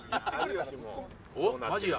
おっマジや。